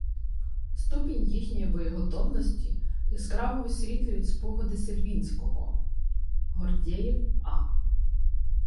Ступінь їхньої боєготовності яскраво висвітлюють спогади Сельвінського: Гордєєв А.